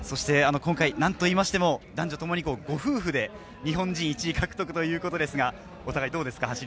今回なんと言いましても男女ともにご夫婦で日本人１位獲得ということですがお互いどうですか？